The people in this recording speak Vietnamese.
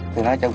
thì nói chung